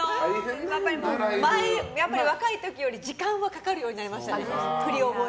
若い時より時間はかかるようになりましたね。